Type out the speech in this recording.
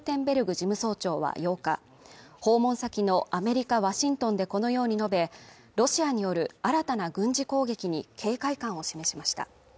事務総長は８日訪問先のアメリカワシントンでこのように述べロシアによる新たな軍事攻撃に警戒感を示しました